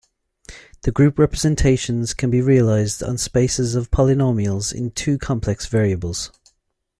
The group representations can be realized on spaces of polynomials in two complex variables.